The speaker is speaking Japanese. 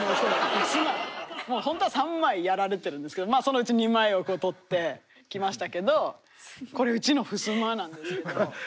もうホントは３枚やられてるんですけどそのうち２枚を撮ってきましたけどこれうちのふすまなんですけど。